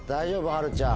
はるちゃん。